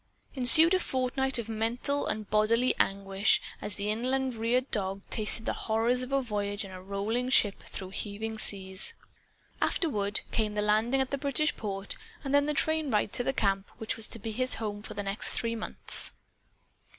Ensued a fortnight of mental and bodily anguish, as the inland reared dog tasted the horrors of a voyage in a rolling ship, through heaving seas. Afterward, came the landing at a British port and the train ride to the camp which was to be his home for the next three months.